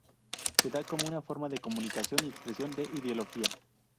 Se da como una forma de comunicación y expresión de ideología.